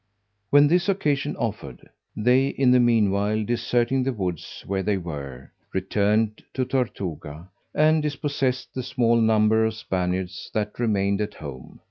When this occasion offered, they in the meanwhile deserting the woods where they were, returned to Tortuga, and dispossessed the small number of Spaniards that remained at home.